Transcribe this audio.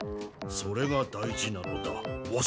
それが大事なのだ。